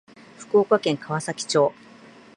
福岡県川崎町